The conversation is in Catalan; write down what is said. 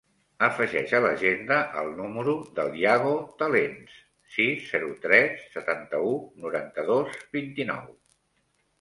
Afegeix a l'agenda el número del Yago Talens: sis, zero, tres, setanta-u, noranta-dos, vint-i-nou.